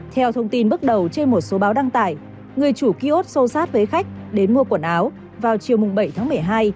theo thông tin bước đầu trên một số báo đăng tải người chủ kiosk xô xát với khách đến mua quần áo vào chiều bảy tháng một mươi hai